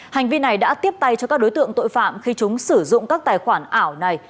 hành vi này đã tiếp tay cho các đối tượng tội phạm khi chúng sử dụng các tài khoản ảo này